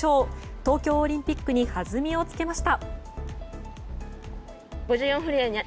東京オリンピックに弾みをつけました。